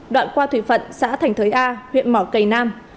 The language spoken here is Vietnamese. đoạn qua thủy phận xã thành thới a huyện mỏ cầy nam